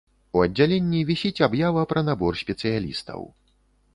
У аддзяленні вісіць аб'ява пра набор спецыялістаў.